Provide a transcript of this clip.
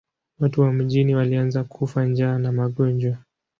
Watu wa mjini walianza kufa njaa na magonjwa.